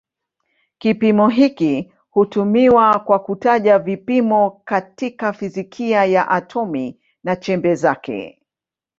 Kipimo hiki hutumiwa kwa kutaja vipimo katika fizikia ya atomi na chembe zake.